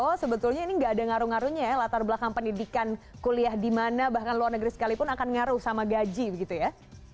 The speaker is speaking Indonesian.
oh sebetulnya ini nggak ada ngaruh ngaruhnya ya latar belakang pendidikan kuliah di mana bahkan luar negeri sekalipun akan ngaruh sama gaji begitu ya